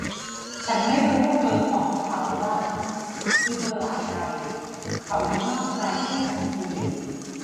ฉันไม้รู้ว่าเบอร์ของเขาว่าคือเบอร์อะไร เขาอยู่นอกรายชื่อบัญชี